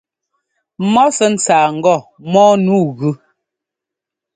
Mɔ sɛ́ ńtsáa ŋgɔ mɔ́ɔ nu gʉ.